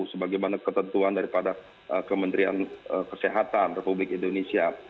sebagaimana ketentuan daripada kementerian kesehatan republik indonesia